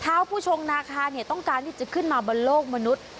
ผู้ชงนาคาต้องการที่จะขึ้นมาบนโลกมนุษย์